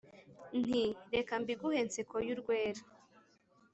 nti " reka mbiguhe nsekoyurwera "